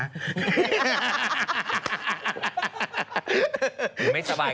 หรือไม่สบาย